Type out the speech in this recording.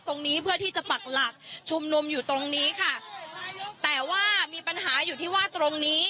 เพื่อที่จะปักหลักชุมนุมอยู่ตรงนี้ค่ะแต่ว่ามีปัญหาอยู่ที่ว่าตรงนี้